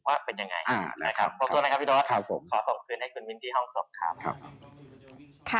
ว่าเป็นยังไงขอโทษนะครับพี่ดอสขอส่งเตือนให้คุณมินทร์ที่ห้องศพครับ